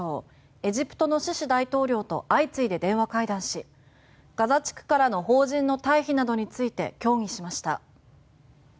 エジプトのシシ大統領と相次いで電話会談しガザ地区からの邦人の退避などについて協議しました。